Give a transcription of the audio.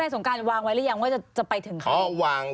สงการวางไว้หรือยังว่าจะไปถึงเขา